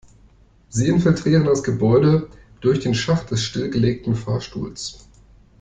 Sie infiltrieren das Gebäude durch den Schacht des stillgelegten Fahrstuhls.